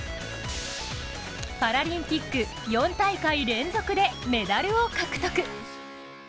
パラリンピック４大会連続でメダルを獲得。